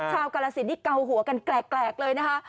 ชาวกละละสินที่เก่าหัวกันแกรกเลยนะคะ